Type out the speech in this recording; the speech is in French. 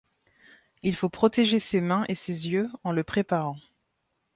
Il faut protéger ses mains et ses yeux en le préparant.